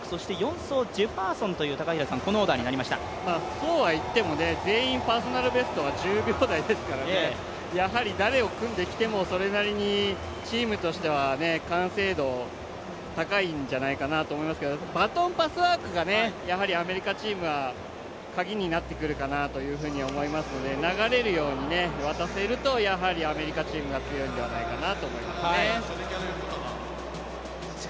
そうはいっても、全員パーソナルベストが１０秒台ですからね、やはり誰を組んできてもそれなりにチームとしては完成度高いんじゃないかなと思いますけどバトンパスワークがやはりアメリカチームはカギになってくるかなと思うので、流れるように渡せると、アメリカチームが強いんではないかなと思いますね。